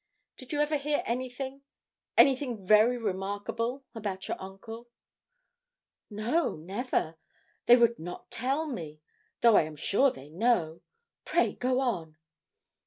Did you ever hear anything anything very remarkable about your uncle?' 'No, never, they would not tell me, though I am sure they know. Pray go on.'